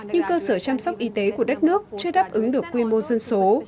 nhưng cơ sở chăm sóc y tế của đất nước chưa đáp ứng được quy mô dân số